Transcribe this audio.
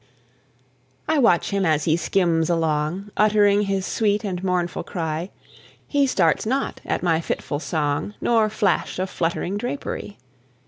I watch him as he skims along, Uttering his sweet and mournful cry; He starts not at my fitful song, Nor flash of fluttering drapery.